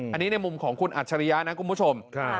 อันนี้ในมุมของคุณอัจฉริยะนะคุณผู้ชม